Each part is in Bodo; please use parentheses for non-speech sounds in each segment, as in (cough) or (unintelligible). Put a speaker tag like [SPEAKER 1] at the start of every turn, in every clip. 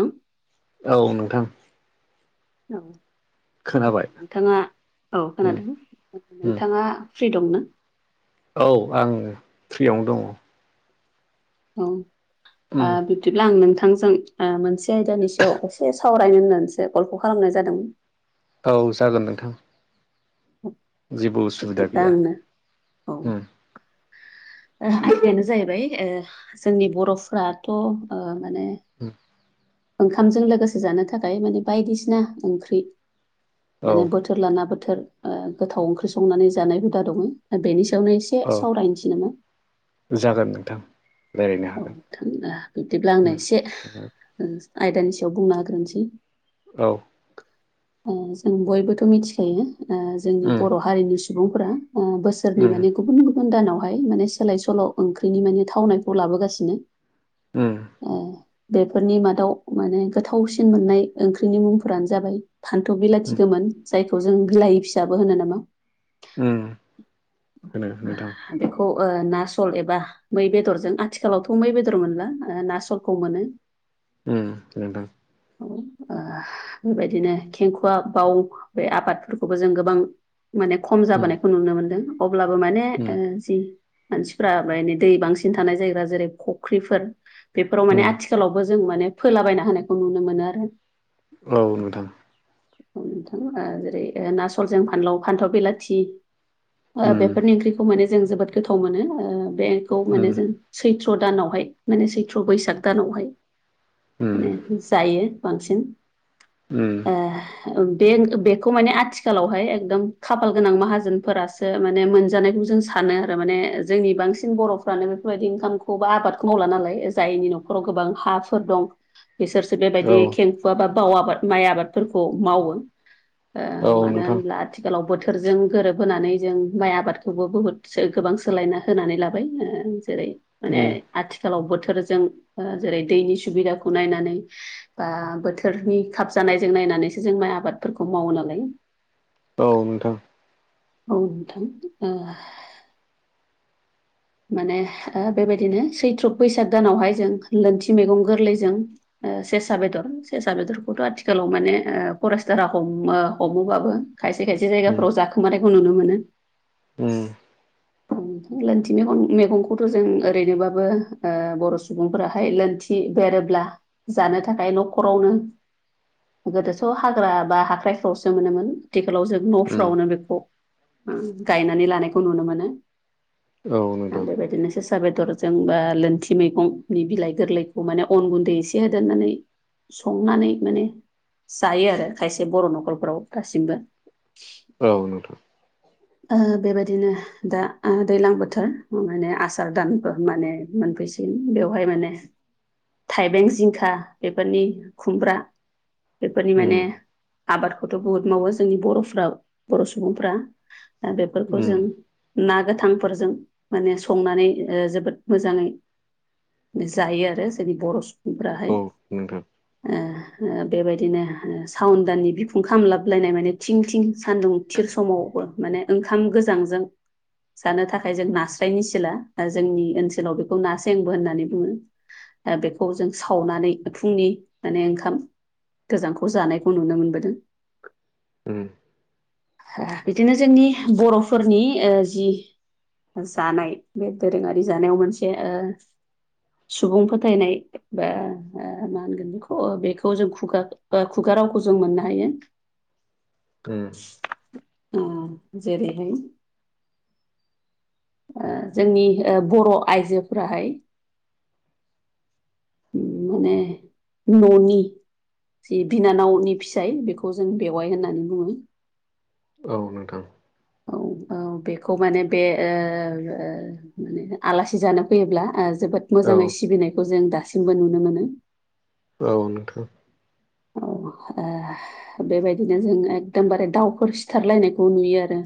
[SPEAKER 1] औ
[SPEAKER 2] औ नोंथां।
[SPEAKER 1] औ
[SPEAKER 2] खोनाबाय
[SPEAKER 1] नोंथाङा औ
[SPEAKER 2] उम
[SPEAKER 1] खोनादों
[SPEAKER 2] उम
[SPEAKER 1] नोंथाङा फ्रि दं ना
[SPEAKER 2] औ आं फ्रियावनो दं
[SPEAKER 1] औ
[SPEAKER 2] उम
[SPEAKER 1] बिब्दिब्ला आं नोंथांजों मोनसे आयदानि सायाव एसे सावरायनो होननानैसो कलखौ खालामनाय जादोंमोन।
[SPEAKER 2] औ जागोन नोंथां
[SPEAKER 1] (inaudible)
[SPEAKER 2] जेबो उसुबिदा
[SPEAKER 1] बिब्दिब्ला
[SPEAKER 2] गैया
[SPEAKER 1] आंनो औ
[SPEAKER 2] उम
[SPEAKER 1] आयदायानो जाहैबाय जोंनि बर'फ्राथ' माने
[SPEAKER 2] उम
[SPEAKER 1] ओंखामजों लोगोसे जानो थाखाय माने बायदिसिना ओंख्रि
[SPEAKER 2] औ
[SPEAKER 1] माने बोथोर बोथोर लाना बोथोर गोथाव ओंख्रि संनानै जानाय हुदा दङ बेनि सायावनो एसे
[SPEAKER 2] औ
[SPEAKER 1] सावरायनोसै नामा?
[SPEAKER 2] जागोन नोंथां रायलायनो
[SPEAKER 1] औ
[SPEAKER 2] हागोन
[SPEAKER 1] नोंथां बिब्दिब्ला आंनो
[SPEAKER 2] उम
[SPEAKER 1] एसे आयदानि सायाव बुंनो हाग्रोनोसै
[SPEAKER 2] औ
[SPEAKER 1] जों बयबोथ' मिथिखायो जोंनि
[SPEAKER 2] उम
[SPEAKER 1] बर' हारिनि सुबुं सुबुंफोरा बोसोरनि
[SPEAKER 2] उम
[SPEAKER 1] माने गुबुन गुबुन दानावहाय माने सोलाय सोल' ओंख्रिनि माने थावनाय खौ लाबोगासिनो
[SPEAKER 2] उम
[SPEAKER 1] बेफोरनि मादाव माने गोथावसिन मोननाय ओंख्रिनि मुंफोरानो जाबाय फान्थ' बिलाथि गोमोन जायखौ जों बिलाायि फिसाबो होनो नामा
[SPEAKER 2] उम होन नोंथां
[SPEAKER 1] बेखौ ना सल एबा मै बेदरजों आथिखालावथ' मै बेदर मोनला ना सलखौ मोनो
[SPEAKER 2] उम नोंथां
[SPEAKER 1] बेबायदिनो खेंखुवा बााव बे आबादफोरखौबो जों गोबां माने खम
[SPEAKER 2] उम
[SPEAKER 1] जाबोनायखौ नुनो मोनदों अब्लाबो माने
[SPEAKER 2] उम
[SPEAKER 1] जि मानसिफ्रा ओमफ्राय दै बांसिन थानाय जायगा जेरै फुख्रिफोर बेफोराव माने
[SPEAKER 2] उम
[SPEAKER 1] आथिखालावबो जों माने फोलाबायना होनायखौ नुनो मोनो आरो
[SPEAKER 2] औ नोंथां
[SPEAKER 1] नोंथां जेरै नासलजों फानलाव फान्थाव बिलाथि
[SPEAKER 2] उम
[SPEAKER 1] बेफोरनि ओंख्रिखौ माने जों जोबोद गोथाव मोनो बेखौ माने
[SPEAKER 2] उम
[SPEAKER 1] जों सैथ्र' दानावहाय माने सैथ्र बैसाग दानावहाय
[SPEAKER 2] उम
[SPEAKER 1] माने जायो बांसिन
[SPEAKER 2] उम
[SPEAKER 1] बे बेखौ माने आथिखालावहाय एकदम खाफाल गोनां माहाजोनफोरासो माने मोनजानायखौ जों स सानो आरो माने जोंनि बांसिन बर'फ्रानो बेफोरबायदि इनखामखौ बा आबादखौ मावला नालाय जायैनि नन'ख फोराव गोबां हाफोर दं बिसोरसो
[SPEAKER 2] औ
[SPEAKER 1] बेबायदि खेंखुा बा बाव आबाद माइ आबादफोरखौ मावो
[SPEAKER 2] औ
[SPEAKER 1] मानो
[SPEAKER 2] नोंथां
[SPEAKER 1] होनब्ला आथिखालाव बोथोरजों गोरोबहोनानै जों माइ आबादखौबो बुहुद गोबां सोलायना हो होनानै लाबाय जेरै माने
[SPEAKER 2] उम
[SPEAKER 1] आथिखालाव बोथोरजों जेरै दैनि सुबिदाखौ नायनानै बा बोथोरनि खाब जानायजों नायनानैसो जों माइ आबादफोरखौ मावो नालाय
[SPEAKER 2] औ नोंथां
[SPEAKER 1] औ नोंथां माने बेबायदिनो सैथ्र' बैसाग दानावहाय जों लोनथि मैगं गोरलैजों सेसा बेदर सेेरसा बेदरखौथ' आथिखालाव माने फरायेस्टारा हमो हमोबाबो खायसे खायसे
[SPEAKER 2] उम
[SPEAKER 1] जायगाफोराव जाखोमानायखौ नुनो मोनो
[SPEAKER 2] उम
[SPEAKER 1] (unintelligible) थि मग मैगंखौथ' जों ओरैनोबाबो बर' सुबुंफोराहाय लोनथि बेरोब्ला जानो थाखाय न'खरावनो गोदोथ' हाग्रा बा हाख्राइफ्रावसो मोनोमोन आथिखालाव जों
[SPEAKER 2] उम
[SPEAKER 1] न'फ्रावनो बेखौ गायनानै लानायखौ नुनो मोनो
[SPEAKER 2] औ नोंथां
[SPEAKER 1] बेबायदिनो ससाा बेदरजों बा लोनथि मैगंनि बिलाइ गोरलैखौ माने अन गुन्दै एसे होदेरनानै संनानै माने जायो आरो खायसे बर' न'खरफ्राव दासिमबो
[SPEAKER 2] औ नोंथां
[SPEAKER 1] बेबायदिनो दा दैज्लां बोथोर माने आसार दानफोर माने मोनफैसिगन बेवहाय माने थाइबें जिंखा बेफोरनि खुमब्रा बेफोरनि
[SPEAKER 2] उम
[SPEAKER 1] माने आबादखौथ' बुहुद मावो जोंनि बर'फाव बर' सुबुंफ्रा दा बेफोरखौ
[SPEAKER 2] उम
[SPEAKER 1] जों ना गोथांफोरजों माने संनानै जोबोद मोजाङै जायो आरो जोंनि बर' सुबुंफोराहाय
[SPEAKER 2] औ नोंथां
[SPEAKER 1] बेबायदिनो सावन दानानि बिखुं खामलाबलायनाय माने थिं थिं सान्दुं थिर समावबो माने ओंखाम गोजांजों जानो थाखाय जों नास्रायनि सिला दा जोंनि ओनसोलाव बेखौ नाासेंबो होननानै बुङो बेखौ जों सावनानै फुंनि माने ओंखाम गोजांखौ जानायखौ नुनो मोनबोदों
[SPEAKER 2] उम
[SPEAKER 1] बिदिनो जोंनि बर'फोरनि जि जानाय बे दोरोङारि जानायाव मोनसे सुबुं फोथायनाय बा मा होनगोन बेखौ बेखौ जों खुगा खुगा रावखौ जों मोननो हायो
[SPEAKER 2] उम
[SPEAKER 1] जेरैहाय जोंनि बर' आइजोफोराहाय उम माने न'नि जि बिनानावनि फिसाय बेखौ जों बेवाइ होननानै बुङो
[SPEAKER 2] औ नोंथां
[SPEAKER 1] औ औ बेखौ माने बे माने आलासि जानो फैयोब्ला जोबोद
[SPEAKER 2] औ
[SPEAKER 1] मोजाङै सिबिनायखौ जों दासिमबो नुनो मोनो
[SPEAKER 2] औ नोंथां
[SPEAKER 1] औ आ बेबायदिनो जों एकदमबारे दाउफोर सिथारलायनायखौ नुयो आरो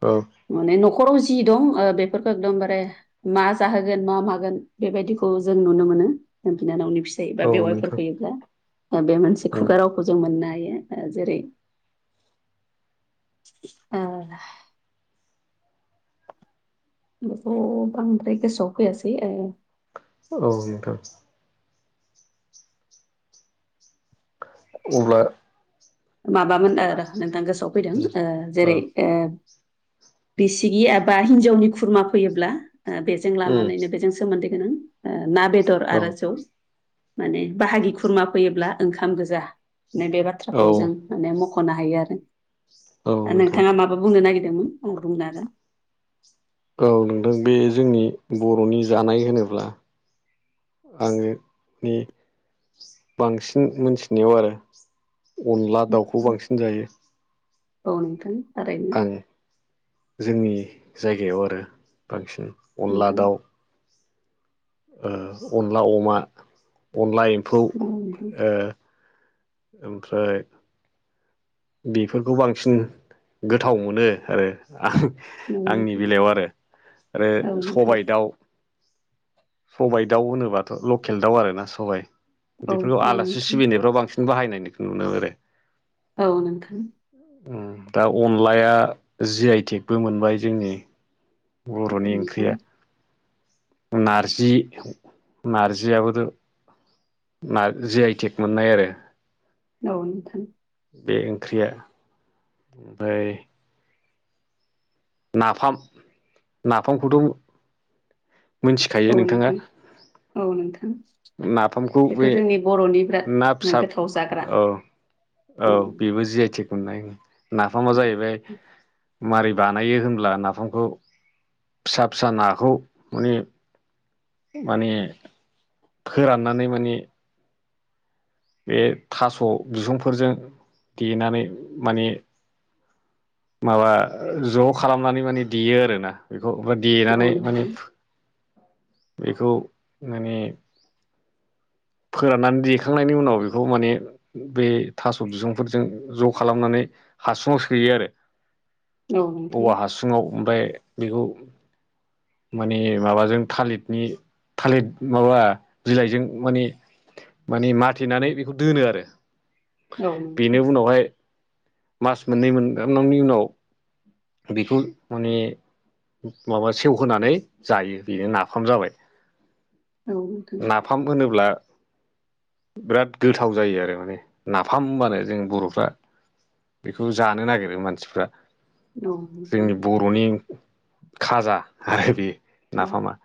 [SPEAKER 2] औ
[SPEAKER 1] माने न'खराव जि दं बेफोरखौ एकदमबारे मा जाहोगोन मा मागोन बेबायदिखौ जों नुनो मोनो बिनानावनि फिसा बा
[SPEAKER 2] औ
[SPEAKER 1] बेवाइफोर
[SPEAKER 2] नोंथां
[SPEAKER 1] फैयोब्ला बे मोनसे
[SPEAKER 2] उम
[SPEAKER 1] खुगा रावखौ जों मोननो हायो। जेर ओ बेखौ बांद्राय गोसोआव फैयासै
[SPEAKER 2] औ नोंथां अब्ला
[SPEAKER 1] माबामोन नोंथां गोसोआव फैदों जेरै
[SPEAKER 2] ओ
[SPEAKER 1] बिसिगि एबा हिन्जावनि खुरमा फैयोब्ला बे जों
[SPEAKER 2] उम
[SPEAKER 1] लानानैनो बेजों सोमोन्दो गोनां ना बेदर
[SPEAKER 2] औ
[SPEAKER 1] आरो जौ माने बाहागि खुरमा फैयोब्ला ओंखाम गोजा होननाय बे
[SPEAKER 2] औ
[SPEAKER 1] बाथ्राखौ जों माने मख'नो हायो आरो दा
[SPEAKER 2] नोंथां
[SPEAKER 1] नोंथाङा माबा बुंनो नागिरदोंमोन आंबो बुंनो आरो ना
[SPEAKER 2] औ नोंथां बे जोंनि बर'नि जानाय होनोब्ला आङो बांसिन मोनथिनायाव आरो अनला दाउखौ
[SPEAKER 1] हागोन
[SPEAKER 2] बांसिन जायो।
[SPEAKER 1] औ नोंथां थारैनो
[SPEAKER 2] आं जोंनि जायगायाव आरो बांसिन अनला
[SPEAKER 1] नोंथां
[SPEAKER 2] दाउ अनला अमा अनला एम्फौ
[SPEAKER 1] औ नोंथां
[SPEAKER 2] ओमफ्राय बेफोरखौ बांसिन गोथाव मोनो आरो आ
[SPEAKER 1] औ
[SPEAKER 2] आंनि
[SPEAKER 1] नोंथां
[SPEAKER 2] बेलायाव आरो आरो
[SPEAKER 1] औ नोंथां
[SPEAKER 2] सबाय दाउ सबायाइ दाउ होनोबाथ' लकेल दाउ आरो ना सबाय
[SPEAKER 1] औ
[SPEAKER 2] बेफोरखौ
[SPEAKER 1] नोंथां
[SPEAKER 2] आलासि सिबिनायफ्राव बांसिन बाहायनायखौ नुनो मोन आरोै
[SPEAKER 1] औ नोंथां
[SPEAKER 2] दा अनलाया जि आइ टेकबो मोनबाय जोंनि बर'नि ओंख्रिया नारजि नारजियाबोथ' ना जि आइ टेक मोननाय आरो
[SPEAKER 1] औ नोंथां
[SPEAKER 2] बे ओंख्रिया ओमफ्राय नाफाम नाफामखौथ' मिथिखायो
[SPEAKER 1] औ
[SPEAKER 2] नोंथाङा
[SPEAKER 1] नोंथां औ नोंथां
[SPEAKER 2] नाफामखौ
[SPEAKER 1] बेथ'
[SPEAKER 2] बे
[SPEAKER 1] जोंनि बर'नि
[SPEAKER 2] ना फिसा
[SPEAKER 1] बिराद गोथाव जाग्रा
[SPEAKER 2] औ औ बेबो जि आइ टि खनाय नाफामा जाहैबाय मारै बानायो होनब्ला नाफामखौ फिसा फिसा नाखौ माने माने फोराननानै माने बे थास' बिसुंफोरजों देनानै माने माबा ज' खालामनानै माने देयो आरोना बेखौ बा देनानै
[SPEAKER 1] औ
[SPEAKER 2] माने
[SPEAKER 1] नोंथां
[SPEAKER 2] बेखौ माने फोराननानै देखांनायनि उनाव बेखौ माने बे थास' बिसुंफोरजों ज' खालामनानै हासुङाव सोयो आरो
[SPEAKER 1] औ नोंथां
[SPEAKER 2] औवा हासुङाव ओमफ्राय बेखौ माने माबाजों थालिरनि थालिर माबा बिलाइजों माने माने माथेनानै बेखौ दोनो आरो
[SPEAKER 1] औ नोंथां
[SPEAKER 2] बेनि उनावहाय मास मोननै मोनगांनांनायनि उनाव बेखौ माने माबा सेव होनानै जायो बेनो नाफाम जाबाय
[SPEAKER 1] औ
[SPEAKER 2] नाफाम होनोब्ला बिराद गोथाव जायो आरो माने नाफाम होनबानो जों बर'फ्रा बेखौ जानो नागिरो मानसिफ्रा
[SPEAKER 1] औ नोंथां
[SPEAKER 2] जोंनि बर'नि खाजा आरो बे
[SPEAKER 1] औ
[SPEAKER 2] नाफामा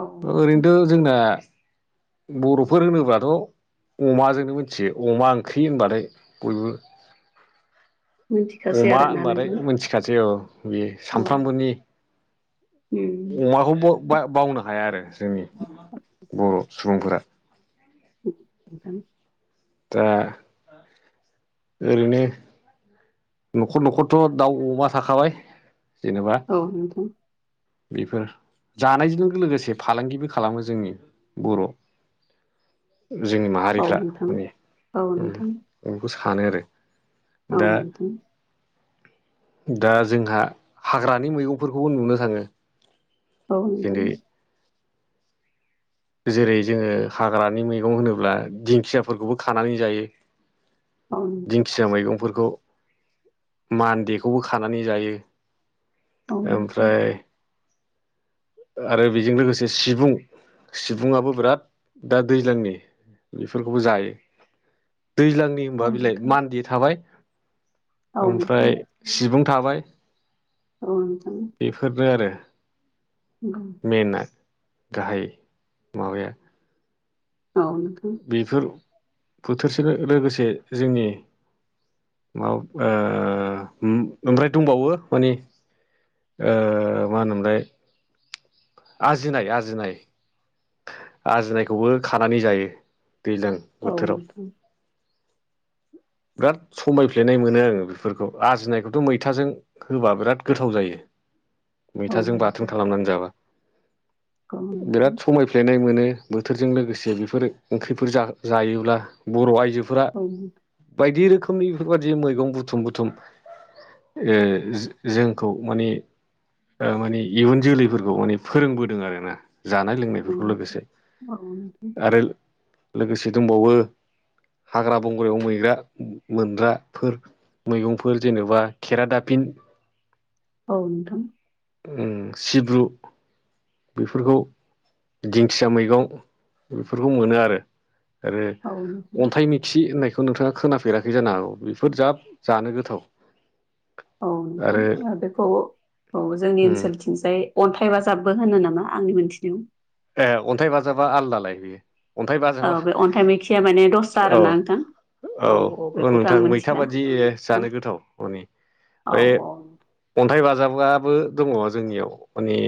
[SPEAKER 1] औ नोंथां
[SPEAKER 2] ओरैनोथ' जोंना बर'फोर होनोब्लाथ' अमाजोंनो मिथियो अमा ओंख्रि होनबालथाय बयबो
[SPEAKER 1] मिथिखासै आरोना ना नोंथां
[SPEAKER 2] खाथि औ बे
[SPEAKER 1] औ
[SPEAKER 2] सानफ्रामबोनि
[SPEAKER 1] उम
[SPEAKER 2] अमाखौबो बावनो हाया आरो जोंनि बर' सुबुंफोरा
[SPEAKER 1] (unintelligible)
[SPEAKER 2] दा ओरैनो न'खर न'खरथ' दाउ अमा थाखाबाय जेनेबा
[SPEAKER 1] औ नोंथां
[SPEAKER 2] बेफोर जानायजों लोगोसे फालांगिबो खालामो जोंनि बर'
[SPEAKER 1] (inaudible)
[SPEAKER 2] जोंनि
[SPEAKER 1] औ
[SPEAKER 2] माहारिफ्रा
[SPEAKER 1] नोंथां
[SPEAKER 2] माने
[SPEAKER 1] औ नोंथां
[SPEAKER 2] आं बेखौ सानो आरो दा दा जोंहा हाग्रानि मैगंफोरखौबो नुनो थाङो
[SPEAKER 1] ब द
[SPEAKER 2] जेरै जेरै जोङो हाग्रानि मैगं होनोब्ला दिंखियाफोरखौबो खानानै जायो
[SPEAKER 1] औ नोंथां
[SPEAKER 2] दिंखिया मैगंफोरखौ मानदेखौबो खानानै जायो।
[SPEAKER 1] औ नोंथां औ नोंथां
[SPEAKER 2] ओमफ्राय आरो बेजों लोगोसे सिबुं सिबुङआो बिराद दा दैज्लांनि बेफोरखौबो जायो दैज्लांनि होनबा
[SPEAKER 1] औ
[SPEAKER 2] बिलाइ
[SPEAKER 1] नोंथां
[SPEAKER 2] मान्दि थाबाय
[SPEAKER 1] औ नोंथां
[SPEAKER 2] ओमफ्राय सिबुं थाबाय
[SPEAKER 1] औ नोंथां
[SPEAKER 2] बेफोरनो आरो
[SPEAKER 1] (inaudible)
[SPEAKER 2] मना गाहाय मावाबाया
[SPEAKER 1] औ नोंथां।
[SPEAKER 2] बेफोर बोथोरसेनो लोगोसे जोंनि म ओमफ्राय दंबावो मानि मा होनोमलाय आजिनाय आजिनाय आजिनायखौबो खानानै जायो। दैलां
[SPEAKER 1] औ द
[SPEAKER 2] बिराद समायफ्लेनाय मोनो आङो बेफोरखौ आरजिनायखौथ' मैथाजों होबा बिराद गोथाव जायो।
[SPEAKER 1] औ
[SPEAKER 2] मैथाजों बाथोन
[SPEAKER 1] नोंथां
[SPEAKER 2] खालामनानै जाबा
[SPEAKER 1] औ नोंथां
[SPEAKER 2] बिराद समाय गफ्लेनाय मोनो बोथोरजों लोगोसे बेफोर ओंख्रिफोर जायोब्ला बर' आइजोफोरा
[SPEAKER 1] (inaudible)
[SPEAKER 2] बायदि रोखोमनि बेफोरबाददि मैगं बुथुम बुथुम जोंखौ माने माने इयुन जोलैफोरखौ माने फोरोंबोदों आर ना जानाय लोंनायफोरखौ लोगोसे
[SPEAKER 1] औ नोंथां
[SPEAKER 2] आरो लोगोसे दंबावो हाग्रा बंग्रायाव मै गग्रा मोनग्राफोर मैगंफोर जेनेबा खेरा दाफिन
[SPEAKER 1] नोंथां
[SPEAKER 2] सिब्रु बेफोरखौ दिंखिया मैगं बेफोरखौ मोनो आरो आरो
[SPEAKER 1] औ नोंथां
[SPEAKER 2] अन्थाइ मिथि होननायखौ थ' नोंथाङा खोनाफेराखै जानो हागौ बेफोर जाब जानो गोथाव
[SPEAKER 1] औ नोंथां
[SPEAKER 2] आरो
[SPEAKER 1] ज बेखौ औ जोंनि
[SPEAKER 2] उम
[SPEAKER 1] ओनसोलथि थिसाय अन्थाइ बााजाबगबो होनो नामा आंनि मोनथिनायाव
[SPEAKER 2] ए अन्थाइ बाजाबा आलदालाय बेयो अन्थाइ
[SPEAKER 1] औ
[SPEAKER 2] बाजाबा
[SPEAKER 1] बे अन्थाइ मैखिया माने दसथ्रा आर
[SPEAKER 2] औ
[SPEAKER 1] ना नोंथां।
[SPEAKER 2] औ औ
[SPEAKER 1] बेखौथ' आं
[SPEAKER 2] नोंथां मैथा
[SPEAKER 1] मिथिला
[SPEAKER 2] बादि
[SPEAKER 1] औ
[SPEAKER 2] जानो गोथाव हनि
[SPEAKER 1] औ औ
[SPEAKER 2] अन्थाइ बाजाबाबो दङ जोंनियाव माने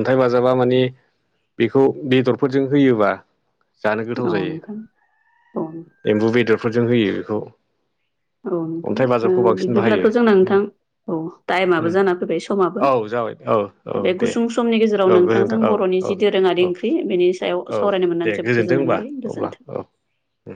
[SPEAKER 2] अन्थाइ बाजाबा माने बेखौ बेदरफोरजों होयोबा जानो गोथाव
[SPEAKER 1] औ
[SPEAKER 2] जायो‌।
[SPEAKER 1] नोंथां औ
[SPEAKER 2] एम्बु बेदरफोरजों होयो बेखौ
[SPEAKER 1] नोंथां
[SPEAKER 2] अन्थाइ
[SPEAKER 1] ओ
[SPEAKER 2] बाजाबखौ बांसिन बाहायो
[SPEAKER 1] बिदिब्लाथ' जोंना नोंथां औ टाइमाबो जाना फैबाय समाबो
[SPEAKER 2] औ जाबाय औ औ
[SPEAKER 1] बे
[SPEAKER 2] दे
[SPEAKER 1] गुसुं समनि गेजेराव
[SPEAKER 2] औ
[SPEAKER 1] नोंथांजों
[SPEAKER 2] गोजोनथों औ
[SPEAKER 1] बर'नि
[SPEAKER 2] औ औ
[SPEAKER 1] जि दोरोङारि
[SPEAKER 2] औ
[SPEAKER 1] ओंख्रि बेनि सायाव
[SPEAKER 2] औ
[SPEAKER 1] सावरायनो
[SPEAKER 2] दे
[SPEAKER 1] मोननानै जोबोद
[SPEAKER 2] गोजोनथों
[SPEAKER 1] गोजोननाय
[SPEAKER 2] होनबा
[SPEAKER 1] मोनबाय गोजोन्थों
[SPEAKER 2] अब्ला औ उम